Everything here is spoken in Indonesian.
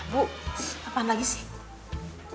bu apaan lagi sih